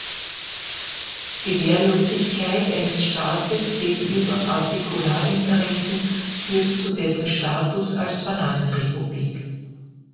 Die Wehrlosigkeit eines Staates gegenüber Partikularinteressen führt zu dessen Status als Bananenrepublik.